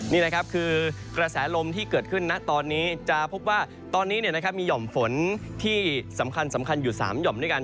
นี่นะครับคือกระแสลมที่เกิดขึ้นนะตอนนี้จะพบว่าตอนนี้มีห่อมฝนที่สำคัญอยู่๓หย่อมด้วยกัน